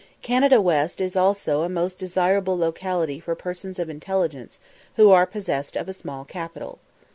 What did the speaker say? Canada West is also a most desirable locality for persons of intelligence who are possessed of a small capital.